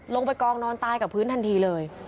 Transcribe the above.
ลงไปกองนอนตายกับพื้นทันทีเลย